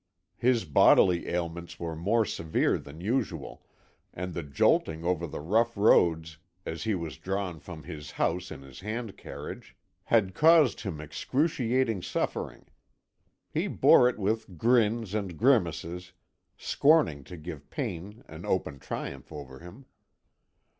His bodily ailments were more severe than usual, and the jolting over the rough roads, as he was drawn from his house in his hand carriage, had caused him excruciating suffering. He bore it with grins and grimaces, scorning to give pain an open triumph over him.